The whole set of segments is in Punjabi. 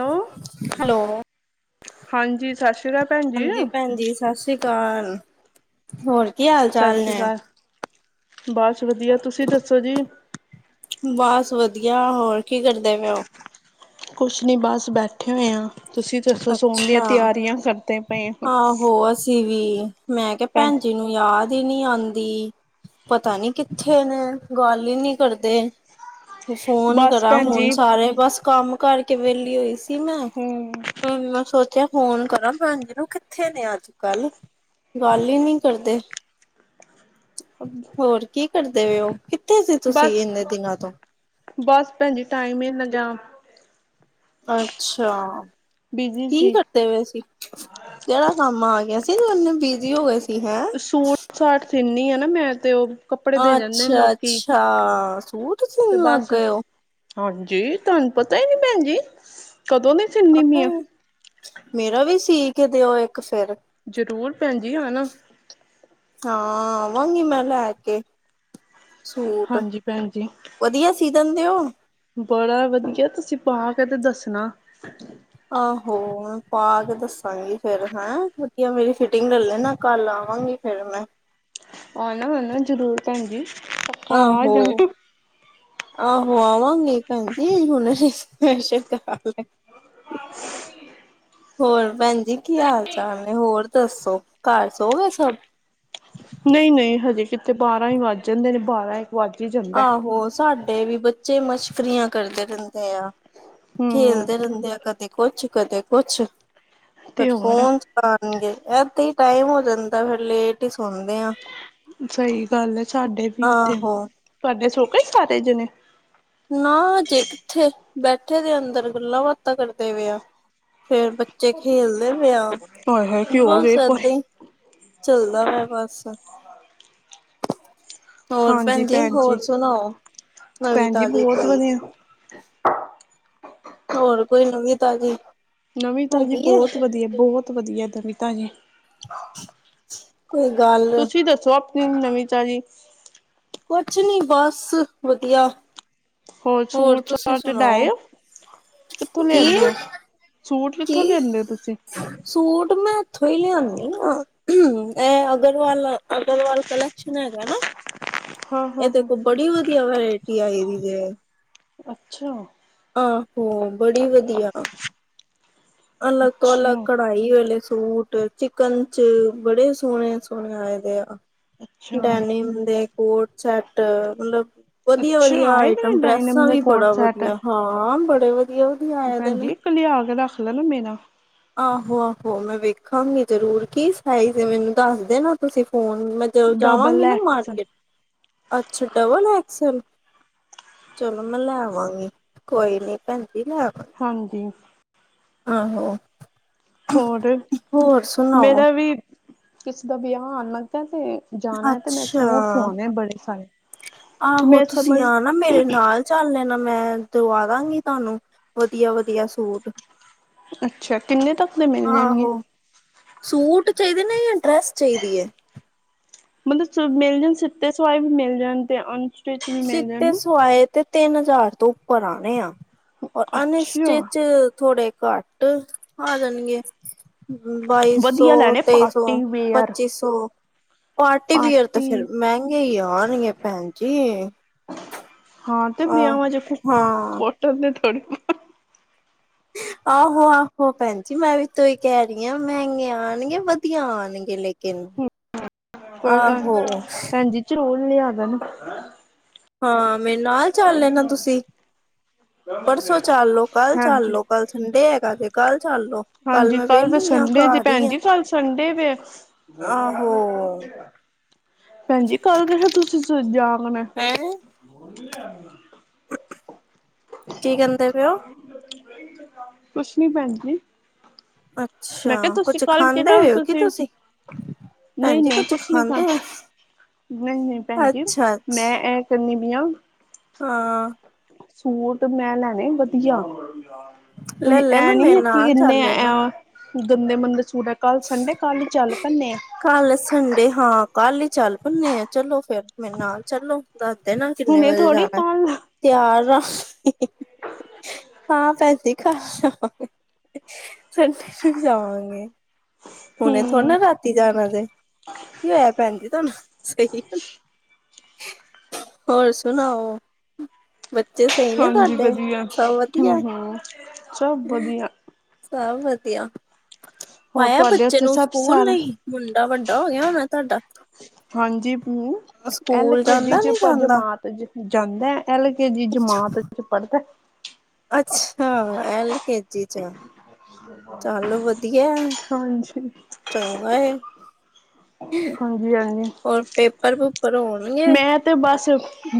ਹੈਲੋ ਹੈਲੋ ਸਤਿ ਸ਼੍ਰੀ ਅਕਾਲ ਭੈਣ ਜੀ। ਹਾਂਜੀ ਭੈਣ ਜੀ ਸਤਿ ਸ਼੍ਰੀ ਅਕਾਲ ਹੋਰ ਕੀ ਹਾਲ ਸਤਿ ਚਾਲ ਸ਼੍ਰੀ ਨੇ ਅਕਾਲ ਬਸ ਵਧੀਆ ਤੁਸੀਂ ਦੱਸੋ ਜੀ ਬਸ ਵਧੀਆ ਹੋਰ ਕੀ ਕਰਦੇ ਪੇ ਉਹ ਕੁਛ ਨਹੀਂ ਬਸ ਬੈਠੇ ਹੋਏ ਹਾਂ ਤੁਸੀਂ ਦੱਸੋ ਸੋਣ ਦੀਆਂ ਅੱਛਾ ਤਿਆਰੀਆਂ ਕਰਦੇ ਪਏ ਹੋ। ਆਹੋ ਅਸੀਂ ਵੀ ਮੈਂ ਕਿਹਾ ਭੈਣ ਜੀ ਨੂੰ ਯਾਦ ਹੀ ਨਹੀਂ ਆਉਂਦੀ ਪਤਾ ਨੀ ਕਿੱਥੇ ਨੇ ਗੱਲ ਹੀ ਨਹੀਂ ਕਰਦੇ ਫੋਨ ਬਸ ਕਰਾਂ ਭੈਣ ਹੁਣ ਜੀ ਸਾਰੇ ਬਸ ਕੰਮ ਕਰਕੇ ਵਿਹਲੀ ਹੋਈ ਸੀ ਮੈਂ ਹੂੰ ਹਮ ਮੈਂ ਸੋਚਿਆ ਫੋਨ ਕਰਾਂ ਹਾਂ ਕਿੱਥੇ ਨੇ ਅੱਜ ਕੱਲ ਗੱਲ ਹੀ ਨੀ ਕਰਦੇ ਹਾਂਜੀ ਹੋਰ ਕੀ ਕਰਦੇ ਹੋ ਉਹ ਕਿੱਥੇ ਸੀ ਤੁਸੀਂ ਬਸ ਇਨੇ ਦਿਨਾਂ ਤੋਂ ਬਸ ਭੈਣਜੀ ਟਾਈਮ ਨੀ ਲੱਗਿਆ ਅੱਛਾ ਬਿਜੀ ਕੀ ਸੀ। ਕਰ ਸੁੱਤੇ ਪਏ ਸੀ ਜਿਹੜਾ ਕੰਮ ਆ ਗਿਆ ਸੀ ਓਨੇ ਬਿਜੀ ਹੋ ਗਏ ਸੀ ਹੈਂ? ਸੂਟ ਸਾਟ ਸਿੰਦੀ ਆ ਨਾ ਮੈਂ ਤੇ ਉਹ ਕੱਪੜੇ ਦੇ ਜਾਂਦੇ ਨੇ ਲੋਕੀ ਅੱਛਾ-ਅੱਛਾ ਸੂਟ ਤੇ ਸਿਨ ਲਗ ਬਸ ਗਏ ਉ ਹਾਂਜੀ ਤੁਹਾਨੂੰ ਪਤਾ ਨੀ ਭੈਣ ਜੀ ਕਦੋਂ ਦੀ ਸੀਨੀ ਪਿਆ ਮੇਰਾ ਵੀ ਸੀ ਕਿ ਦਿਓ ਇੱਕ ਫੇਿਰ ਜ਼ਰੂਰ ਭੈਣ ਜੀ ਆਣਾ ਹਾਂ ਆਵਾਂਗੀ ਮੈ ਲੇਕੇ ਸੂਟ ਹਾਂਜੀ ਭੈਣ ਜੀ। ਵਧੀਆ ਸੀਜ਼ਨ ਦਿਓ ਬੜਾ ਵਧੀਆ ਤੁਸੀਂ ਪਾ ਕੇ ਤੇ ਦੱਸਣਾ ਆਹੋ ਪਾ ਕੇ ਦੱਸਾਂਗੀ ਫੇਰ ਹੈਂ ਵਧੀਆ ਮੇਰੀ ਫਿਟਿੰਗ ਲੈ ਲੈ ਨਾ ਕੱਲ ਆਵਾਂਗੀ ਫੇਿਰ ਮੈਂ ਆਨਾ ਹੁਣ ਜ਼ਰੂਰ ਪੈਣ ਜੀ। ਪੱਕਾ ਆ ਆਹੋ। ਜਾਣਾ। ਆਹੋ ਆਵਾਂਗੇ ਪੈਣ ਜੀ ਹੁਣ ਅਸੀ ਫ੍ਰੇਂਡਸ਼ਿਪ ਕਰ ਲਈ। [unintelligible] ਹੋਰ ਪੈਣ ਜੀ ਕੀ ਹਾਲ ਚਾਲ ਨੇ ਹੋਰ ਦੱਸੋ ਘਰ ਸੋ ਗੇ ਸਭ? ਨਹੀਂ- ਨਹੀਂ ਹਜੇ ਕਿਥੇ ਬਾਰਾਂ ਹੀ ਵੱਜ ਜਾਂਦੇ ਨੇ ਬਾਰਾਂ ਈ। ਵਜ ਹੀ ਜਨ ਆਹੋ ਸਾਡੇ ਵੀ ਬੱਚੇ ਮਸ਼ਕਰੀਆਂ ਕਰਦੇ ਰਹਿੰਦੇ ਆ। ਹੂੰ। ਖੇਲਦੇ ਰਹਿੰਦੇ ਆ ਕਦੇ ਕੁਛ- ਕਦੇ ਕੁਛ ਪਰ ਤੇ ਹੋਰ ਫੋਨ ਪਾਣਗੇ ਏਦਾਂ ਹੀ ਟਾਈਮ ਹੋ ਜਾਂਦਾ ਫੇਰ ਲੇਟ ਹੀ ਸੋਂਦੇ ਆਂ। ਸਹੀ ਗੱਲ ਹੈ ਸਾਡੇ ਵੀ ਇਥੇ, ਆਹੋ ਤੁਆਡੇ ਸੋ ਗਏ ਸਾਰੇ ਜਣੇ? ਨਾ ਹਜੇ ਕਿੱਥੇ ਬੈਠੇ ਦੇ ਅੰਦਰ ਗੱਲਾਂ ਬਾਤਾਂ ਕਰਦੇ ਪਏ ਆ। ਫੇਰ ਬੱਚੇ ਖੇਲਦੇ ਪੇ ਆ ਹਾਏ ਹਾਏ ਕੀ ਹੋ ਗਏ ਬੱਸ ਪਰ ਏਦਾਂ ਈ। ਚਲਦਾ ਹੈ ਬਸ। ਹੋਰ ਹਾਂਜੀ ਪੈਣਜੀ ਭੈਣ ਜੀ ਹੋਰ ਸੁਣਾਓ ਨਵੀਂ ਭੈਣ ਜੀ ਤਾਜ਼ੀ ਬਹੁਤ ਕੋਈ। ਵਧੀਆ ਹੋਰ ਕੋਈ ਨਵੀਂ ਤਾਜ਼ੀ ਨਵੀ ਤਾਜੀ ਹੈਗੀ ਏ ਬਹੁਤ ਵਧੀਐ, ਬਹੁਤ ਵਧੀਐ ਨਵੀ ਤਾਜੀ। [unintelligible] ਕੋਈ ਗੱਲ। ਤੁਸੀਂ ਦੱਸੋ ਆਪਣੀ ਨਵੀਂ ਤਾਜ਼ੀ? ਕੁਛ ਨੀ ਬਸ ਵਧੀਆ। ਹੋਰ ਸੂਟ ਤੁਸੀਂ ਸਾਟ ਲੈ ਸੁਣਾਓ? ਆਇਓ। ਕਿੱਥੋਂ ਕੀ ਲਿਆਂਦੇ ਔ, ਸੂਟ ਕਿੱਥੋਂ ਕੀ? ਲਿਆਂਦੇ ਔ ਤੁਸੀਂ? ਸੂਟ ਮੈਂ ਇੱਥੋਂ ਹੀ ਲਯਾਨੀ ਆ। ਹਮ ਇਹ ਅਗਰਵਾਲ- ਅਕਗਰਵਾਲ ਕਲੈਕਸ਼ਨ ਹੈਗਾ ਨਾ ਹਾਂ ਹਾਂ ਏਦੇ ਹਾਂ ਕੋ ਬੜੀ ਵਧੀਆ ਵਰੈਟੀ ਆਈ ਦੀ ਜੇ। ਅੱਛਾ। ਆਹੋ ਬੜੀ ਵਧੀਆ। [unintelligible] ਅਲੱਗ ਤੋਂ ਅਲੱਗ ਅੱਛਾ ਕਢਾਈ ਆਲੇ ਸੂਟ। ਚਿਕਨ ਚ ਬੜੇ ਸੋਹਣੇ- ਸੋਹਣੇ ਆਏ ਦੇ। ਆ ਅੱਛਾ ਡੈਨੀਮ ਦੇ ਕੋਟ ਸੈਟ ਮਤਲਬ ਵਧੀਆ- ਅੱਛਾ ਵਧੀਆ ਆਏ ਦੇ ਆਈਟਮ ਨੇ ਡਾਇਨਮ ਡਰੈਸਾਂ ਦੇ ਵੀ ਕੋਡ ਬੜਾ ਵਧੀਆ। ਹਾਂ ਬੜੇ ਵਧੀਆ ਵਧ ਪੈਣਜੀ ਇਕੱ ਲਿਆ ਕੇ ਰੱਖ ਲੈਣਾ ਮੇਰਾ। ਆਹੋ ਆਹੋ ਮੈਂ ਵੇਖਾਂਗੀ ਜ਼ਰੂਰ ਕੀ ਸਾਈਜ਼ ਏ ਮੈਨੂੰ ਦੱਸ ਦੇ ਨਾ ਤੁਸੀਂ ਫੋਨ ਮੈ ਜਦੋਂ ਡਬਲ ਜਾਵਾਂਗੀ ਨਾ ਐਕਸ ਮਾਰਕੀਟ ਅੱਛਾ! ਡਬਲ ਐਕਸਲ ਚਲੋ ਮੈਂ ਲੈਵਾਂ ਗੀ ਕੋਈ ਨੀ ਪੈਣ ਜੀ ਲੈਵਾ ਹਾਂਜੀ। ਆਹੋ। ਹੋਰ ਹੋਰ ਸੁਣਾਓ ਮੇਰਾ ਵੀ ਕਿਸੇ ਦਾ ਵਿਆਹ ਆਨ ਲੱਗਾ ਤੇ ਜਾਣਾ ਤੇ ਮੈਂ ਅੱਛਾ ਸੂਟ ਸਵਾਣੇ ਬੜੇ ਸਾਰੇ ਮੈਂ ਸਮਝ ਨਾ ਮੇਰੇ ਨਾਲ ਚੱਲ ਲੈਣਾ ਮੈਂ ਦਵਾ ਦਾਂਗੀ ਤਾਨੂੰ। ਵਧੀਆ- ਵਧੀਆ ਸੂਟ। ਅੱਛਾ। ਕਿੰਨੇ ਤੱਕ ਦੇ ਮਿਲ ਜਾਣਗੇ? ਆਹੋ ਸੂਟ ਚਾਇਦੇ ਨੇ ਜਾਂ ਡਰੈਸ ਚਾਈਦੀ ਏ। ਮਤਲਬ ਸਭ ਮਿਲ ਜਾਣ ਸਿੱਤੇ ਸਵਾਏ ਵੀ ਮਿਲ ਜਾਣ ਤੇ ਆਂਜ ਸਿੱਤੇ ਸੁਵਾਏ। ਤੇ ਤਿੰਨ ਹਜ਼ਾਰ ਤੋਂ ਉੱਪਰ ਆਣੇ ਆ ਔਰ ਅੱਛਾ ਅਨਸਟਿਚ ਥੋੜੇ ਘੱਟ ਆ ਜਾਣਗੇ। ਬਾਈ ਸੌ, ਵਧੀਆ ਲੈਣੇ ਤੇਈ ਸੌ, ਪਾਰਟੀ ਵੇਅਰ ਪੱਚੀ ਸੌ ਪਾਰਟੀ ਵੀਅਰ ਤਾਂ ਫੇਰ ਪਾਰਟੀ ਮਹਿੰਗੇ ਹੀ ਆਣਗੇ ਭੈਣ ਜੀ। ਹਾਂ ਤੇ ਆਹ ਵਿਆਹਾਂ 'ਚ ਫੇਰ ਹਾਂ ਕੌਟਨ ਦੇ ਤੇ ਥੋੜੀ। ਆਹੋ ਆਹੋ ਭੈਣ ਜੀ ਮੈਂ ਵੀ ਤੋਂ ਉਹੀ ਕਹਿ ਰਹੀ ਹਾਂ ਮਹਿੰਗੇ ਆਉਣਗੇ। ਵਧੀਆਂ ਆਉਣਗੇ ਲੇਕਿਨ ਆਹੋ। ਚਲੋ ਉਹ ਲਿਆ ਦੇਣ। ਹਾਂ ਮੇਰੇ ਨਾਲ ਚੱਲ ਲੈਣਾ ਤੁਸੀਂ ਪਰਸੋਂ ਚੱਲ ਲੋੋ ਕੱਲ ਚੱਲ ਹਾਂਜੀ ਲੋੋ ਕੱਲ। ਸੰਡੇ ਹੈਗਾ ਤੇ ਕੱਲ ਚੱਲੋ। ਹਾਂਜੀ ਕੱਲ ਤੇ ਸੰਡੇ ਦੇ ਭੈਣ ਜੀ ਕੱਲ ਸੰਡੇ ਵੀ ਹੈ। ਆਹੋ ਭੈਣਜੀ ਕੱਲ ਮੈਂ ਕਿਹਾ ਤੁਸੀਂ ਸਵੇਰੇ ਜਾਗਣਾ। ਹੈਂ‌। ਕਿਆ ਆ ਕੀ ਕਹਿੰਦੇ ਪਏ ਹੋ ਦਿਮਾਗ ਨਹੀਂ। [unintelligible] ਕੁਛ ਨੀ ਭੈਣ ਜੀ। ਅੱਛਾ ਮੈਂ ਕਿਹਾ ਤੁਸੀਂ ਕੁੱਝ ਕੱਲ ਖਾਂਦੇ ਕਿਹੜਾ ਪਏ ਹੋ ਕੀ ਤੁਸੀਂ। ਭੈਣ ਨਹੀਂ ਜੀ ਨਹੀਂ ਕੁੱਝ ਕੁਛ ਨੀ ਖਾਂਦੇ ਕਰ ਹੋ ਨਹੀਂ ਨਹੀਂ ਭੈਣ ਜੀ ਅੱਛਾ ਮੈਂ ਅੱਛਾ ਇਹ। ਚਲੀ ਦੀਆਂ। ਹਾਂ। ਸੂਟ ਮੈਂ ਲੈਣੇ ਵਧੀਆ। ਲੈ ਕੋਈ ਲੈਣਾ ਐਂ ਮੇਰੇ ਨੀ ਹੈ ਕਿ ਨਾਲ ਚੱਲ ਕਿੰਨੇ ਲੈਣਾ ਐਂ। ਗੰਦੇ ਮੰੰਦੇ ਸੂਟ ਹੈ। ਕੱਲ੍ਹ ਸੰਡੇ ਕੱਲ ਹੀ ਚੱਲ ਪਣੇ ਆ। ਕੱਲ ਸੰਡੇ ਹਾਂ ਕੱਲ ਹੀ ਚੱਲ ਪਣੇ ਆ ਚਲੋ ਫੇਰ ਮੇਰੇ ਨਾਲ ਚੱਲੋ। ਦੱਸ ਦੇਣਾ ਕਿੰਨੇ ਹੁਣੇ ਵਜੇ ਥੋੜ੍ਹੀ ਜਾਣਾ। ਕੱਲ ਤਿਆਰ ਹਾਂ ਪੈਸੇ। ਖ਼ਰਚ ਜਾਵਾਂਗੇ ਸੰਡੇ ਨੂੰ ਹੀ ਜਾਵਾਂਗੇ। ਹੁਣੇ ਥੋੜਾ ਹੂੰ, ਨਾ ਰਾਤੀ ਜਾਣਾ ਜੇ ਕੀ ਹੋਇਆ ਭੈਣ ਜੀ ਤੁਹਾਨੂੰ ਸਹੀ। ਹੋਰ ਸੁਣਾਓ। ਬੱਚੇ ਸਹੀ ਨੇ ਤੁਹਾਡੇ ਸਭ ਵਧੀਆ। ਹੂੰ ਸਭ ਵਧੀਆ। ਸਭ ਵਧੀਆ। ਹੋਰ ਪਾਇਆ ਤੁਹਾਡੇ ਬੱਚੇ ਉੱਥੇ ਨੂੰ ਸਭ ਸਕੂਲ ਸਾਰਾ ਨਹੀਂ ਮੁੰਡਾ ਵੱਡਾ ਹੋ ਗਿਆ ਹੋਣਾ ਤੁਹਾਡਾ। ਹਾਂਜੀ ਹੂੰ ਐਲ ਸਕੂਲ ਕੇ ਜੀ ਜਾਂਦਾ 'ਚ ਨਹੀਂ ਪਰ ਜਾਂਦਾ ਜਮਾਤ 'ਚ ਜਾਂਦਾ ਐਲ ਕੇ ਜੀ ਜਮਾਤ ਵਿੱਚ ਪੜ੍ਹਦਾ ਹੈ। ਅੱਛਾ ਐਲ ਕੇ ਜੀ 'ਚ ਚੱਲ ਵਧੀਆ ਹੈ। ਹੂੰ। ਚੰਗਾ ਹੈ। ਹਾਂਜੀ-ਹਾਂਜੀ। ਹੋਰ ਪੇਪਰ ਪੂਪਰ ਹੋਣਗੇ। ਮੈਂ ਤੇ ਬਸ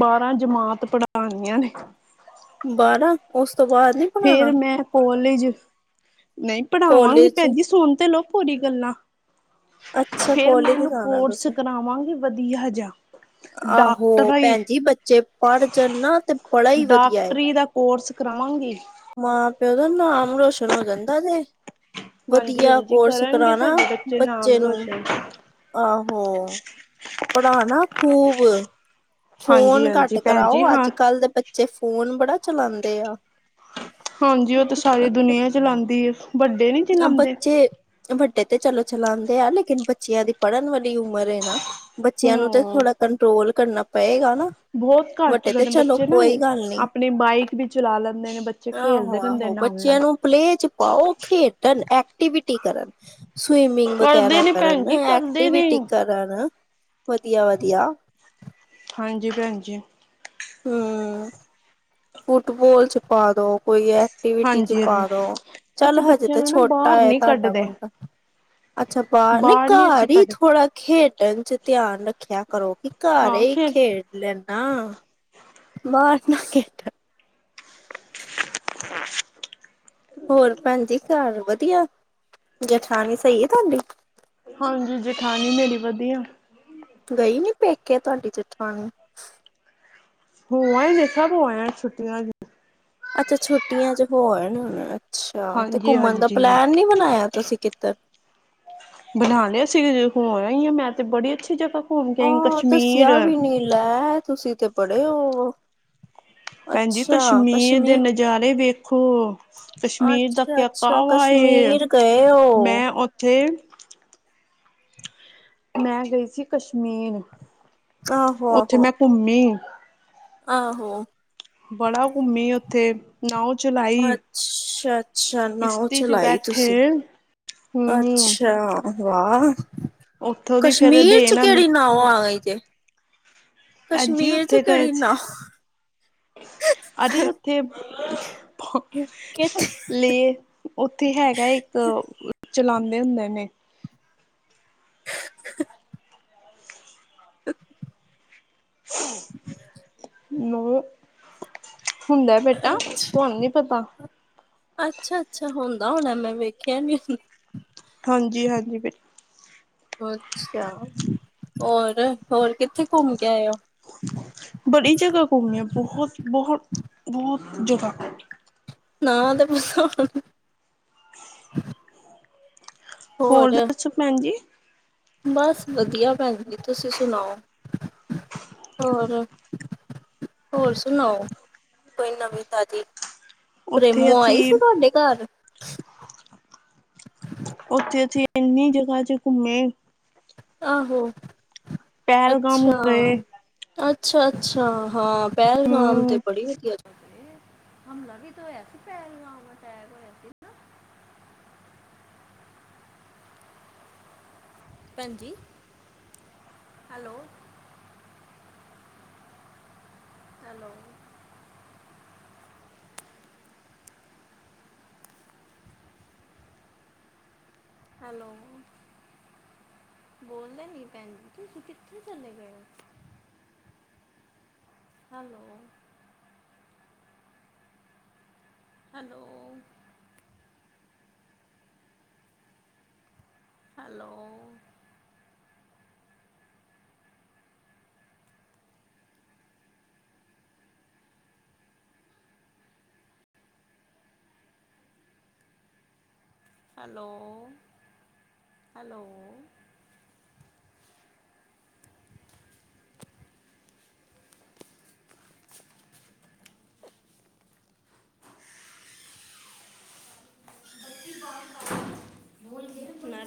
ਬਾਰਾਂ ਜਮਾਤ ਪੜ੍ਹਾਣੀਆਂ ਨੇ। ਬਾਰਾਂ ਉਸ ਤੋਂ ਬਾਅਦ ਨੀ। ਫੇਰ ਪੜ੍ਹਾਣਾ ਮੈਂ ਕੋਲੇਜ ਨਹੀਂ ਪੜ੍ਹਾਵਾਂਗੀ ਕੋਲਜ ਚ ਭੈਣਜੀ ਸੁਣ ਤੇ ਲੋਓ ਪੂਰੀ ਗੱਲਾਂ। ਅੱਛਾ ਫੇਰ ਮੈਂ ਇਹ ਕੋਲਜ ਨੂੰ ਜਾਣਾ ਕੋਰਸ ਤੁਸੀਂ ਕਰਾਵਾਂਗੀ ਵਧੀਆ ਜਿਹਾ। [inaudible] ਆਹੋ ਭੈਣ ਜੀ ਬੱਚੇ ਪੜ੍ਹ ਜਾਣ ਨਾ ਤੇ ਬੜਾ ਹੀ ਵਧੀਆ। ਡਾਕਟਰੀ ਦਾ ਕੋਰਸ ਕਰਾਵਾਂਗੀ ਮਾਂ ਪਿਓ ਦਾ ਨਾਮ ਰੋਸ਼ਨ ਹੋ ਜਾਂਦਾ ਜੇ। ਵਧੀਆ ਹਾਂਜੀ-ਹਾਂਜੀ ਕੋਰਸ ਕਰਨਗੇ ਕਰਾਉਣਾ ਸਾਡੇ ਨਾਮ ਬੱਚੇ ਨੂੰ। ਰੋਸ਼ਨ ਆਹੋ ਪੜ੍ਹਾਣਾ ਖ਼ੂਬ। ਫੋਨ ਘੱਟ ਹਾਂਜੀ-ਹਾਂਜੀ ਭੈਣ ਕਰਾਓ ਜੀ ਹਾਂ ਅੱਜ ਕੱਲ੍ਹ ਦੇ ਬੱਚੇ ਫੋਨ ਬੜਾ ਚਲਾਉਂਦੇ ਆ। ਹਾਂਜੀ ਉਹ ਤੇ ਸਾਰੀ ਦੁਨੀਆਂ ਚਲਾਂਦੀ ਏ। ਵੱਡੇ ਨੀ? ਚਲਾਉਂਦੇ ਬੱਚੇ ਵੱਡੇ ਤੇ ਚਲੋ ਚਲਾਂਦੇ ਆ ਲੇਕਿਨ ਬੱਚਿਆਂ ਦੀ ਪੜ੍ਹਨ ਵਾਲੀ ਉਮਰ ਏ ਨਾ। ਬੱਚਿਆਂ ਨੂੰ ਤੇ ਹੂੰ ਥੋੜਾ ਕੰਟਰੋਲ ਕਰਨਾ ਪਏਗਾ ਨਾ। ਬਹੁਤ ਘੱਟ ਵੱਡੇ ਤੇ ਚਲੋ ਬੱਚੇ ਨਾ ਕੋਈ ਗੱਲ ਨੀ ਆਪਣੀ ਬਾਈਕ ਵੀ ਚਲਾ ਲੈਂਦੇ ਨੇ ਬੱਚੇ। ਆਹੋ ਖੇਲਦੇ ਰਹਿੰਦੇ ਆਹੋ ਨਾਲ-ਨਾਲ ਬੱਚਿਆਂ ਨੂੰ ਪਲੇੲ ਚ ਪਾਓ ਖੇਡਣ ਐਕਟੀਵਿਟੀ ਕਰਨ ਸਵਿਮਿੰਗ ਕਰਦੇ ਵਗੈਰਾ ਨੇ ਭੈਣ ਕਰਨ ਜੀ ਕਰਦੇ ਨੇ ਐਕਟੀਵਿਟੀ ਕਰਨ ਵਧੀਆ, ਵਧੀਆ। ਹਾਂਜੀ ਭੈਣ ਜੀ। [unintelligible] ਫੁੱਟਬੋਲ ਚ ਪਾ ਦੋ ਕੋਈ ਐ ਐਕਟੀਵਿਟੀ ਚ ਹਾਂਜੀ-ਹਾਂਜੀ ਪਾਦੋ ਚੱਲ ਅਸੀਂ ਹਜੇ ਬੱਚਿਆਂ ਤੇ ਨੂੰ ਨਾ ਛੋਟਾ ਬਾਹਰ ਹੈ ਨੀ ਤੁਹਾਡਾ ਕੱਢਦੇ ਮੁੰਡਾ ਅੱਛਾ ਬਾਹਰ ਨਹੀਂ ਨੀ ਘਰ ਅਸੀਂ ਹੀ ਕੱਢਦੇ ਥੋੜ੍ਹਾ ਖੇਡਣ ਚ ਧਿਆਨ ਰੱਖਿਆ ਕਰੋ ਕਿ ਘਰ ਹਾਂ ਹੀ ਖੇਲ ਖੇਡ ਲੈਨ ਨਾ। ਬਾਹਰ ਨ ਖੇਡਣ ਹੋਰ ਭੈਣ ਜੀ ਘਰ ਵਧੀਆ ਜਠਾਣੀ ਸਹੀ ਹੈ ਤੁਹਾਡੀ ਹਾਂਜੀ ਜੇਠਾਣੀ ਮੇਰੀ ਵਧੀਆ। ਗਈ ਨੀ ਪੇਕੇ ਤੁਵਾਡੀ ਜੇਠਾਣੀ? ਹੋ ਆਏ ਨੇ ਸਬ ਹੋ ਆਏ ਨੇ ਛੁਟੀਆਂ ਚ ਅੱਛਾ ਛੁੱਟੀਆਂ ਚ ' ਹੋ ਆਏ ਹੋਣੇ ਨੇ ਅੱਛਾ ਤੇ ਹਾਂਜੀ ਘੁੰਮਣ ਦਾ ਹਾਂਜੀ ਪਲੈਨ ਨਹੀਂ ਬਣਾਇਆ ਤੁਸੀਂ ਕਿੱਧਰ ਬਣਾ ਲਿਆ ਸੀ ਹੋ ਆਇ ਆ ਮੈਂ ਤੇ ਬੜੀ ਅੱਛੀ ਜਗ੍ਹਾ ਘੁੰਮ ਕੇ ਆਈ ਆਹ ਕਸ਼ਮੀਰ ਦੱਸਿਆ ਵੀ ਨੀ ਲੈ ਤੁਸੀਂ ਤੇ ਪੜ੍ਹੇ ਔਹ ਵੋ ਭੈਣਜੀ ਕਸ਼ਮੀਰ ਦੇ ਨਜ਼ਾਰੇ ਵੇਖੋ ਕਸ਼ਮੀਰ ਦਾ ਅੱਛਾ ਕਿਆ ਅੱਛਾ [unintelligible] ਵੇ ਕਸ਼ਮੀਰ ਗਏ ਹੋ ਮੈਂ ਉੱਥੇ ਮੈਂ ਗਈ ਸੀ ਕਸ਼ਮੀਰ ਆਹੋ ਉੱਥੇ ਆਹੋ ਮੈਂ ਘੁੰਮੀ ਆਹੋ। ਬੜਾ ਘੁੰਮੀ ਉੱਥੇ ਨਾਊ ਚਲਾਈ ਅੱਛਾ, ਅੱਛਾ ਨਾਉ ਕਿਸ਼ਤੀ ਚ ਚਲਾਈ ਬੈਠੇ ਤੁਸੀਂ ਹਮ ਅੱਛਾ। ਵਾਹ ਉੱਥੋਂ ਦੀ ਫੇਰ ਕਸ਼ਮੀਰ ਚ ਦੇਣ ਕੇੜੀ ਨਾਵ ਆ ਗਈ ਜੇ ਭੈਣਜੀ ਕਸ਼ਮੀਰ ਚ ਉੱਥੇ ਗਏ ਕਿਹੜੀ ਸੀ। ਨਾਓ [unintelligible] ਉੱਥੇ ਲੇਕ ਉੱਥੇ ਹੈਗਾ ਇੱਕ ਚਲਾਂਦੇ ਹੁੰਦੇ ਨੇ ਨ [unintelligible] ਹੁੰਦਾ ਬੇਟਾ ਤੁਹਾਨੂੰ ਨੀ ਪਤਾ ਅੱਛਾ, ਅੱਛਾ ਹੁੰਦਾ ਹੋਣਾ ਮੈਂ ਵੇਖਿਆ ਨੀ ਹ ਹਾਂਜੀ, ਹਾਂਜੀ ਬ ਅੱਛਾ ਹੋਰ ਹੋਰ ਕਿੱਥੇ ਘੁੰਮ ਕੇ ਆਏ ਹੋ? ਬੜੀ ਜਗ੍ਹਾ ਘੁੰਮੇ ਆ ਬਹੁਤ, ਬਹੁਤ ਬਹੁਤ ਜਗ੍ਹਾ। ਨਾਂ ਤੇ ਦੱਸੋ ਹੋਰ ਦੱਸੋ ਭੈਣ ਜੀ? ਬਸ ਵਧੀਆ ਭੈਣ ਜੀ ਤੁਸੀਂ ਸੁਣਾਓ ਹੋਰ? ਹੋਰ ਸੁਣਾਓ ਕੋਈ ਨਵੀਂ ਤਾਜ਼ੀ ਉੱਥੇ ਪ੍ਰੇਮੋ ਆਈ ਅਸੀਂ ਸੀ, ਤੁਹਾਡੇ ਘਰ? ਉੱਥੇ, ਅਥੀ ਇੰਨੀ ਜਗ੍ਹਾ'ਚ ਘੁੰਮੇ। ਆਹੋ। ਪਹਿਲਗਾਮ ਹੋ ਅੱਛਾ ਗਏ। ਅੱਛਾ-ਅੱਛਾ, ਹਾਂ, ਪਹਿਲਗਾਮ ਤੇ ਹਮ ਬੜੀ ਵਧੀਆ ਜ ਹਮਲਾ ਕੀ ਤੋ ਹੋਇਆ? ਪਹਿਲਗਾਮ ਅਟੈਕ ਹੋਇਆ ਸੀ। ਭੈਣਜੀ, ਹੈਲੋ। ਹੈਲੋ। ਹੈਲੋ। ਬੋਲਦੇ ਨੀ ਭੈਣਜੀ, ਤੁਸੀਂ ਕਿੱਥੇ ਚਲੇ ਗਏ? Hello. Hello. Hello. Hello. Hello. [unintelligible]